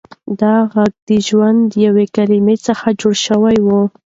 دا غږ د ژوندیو کلمو څخه جوړ شوی و.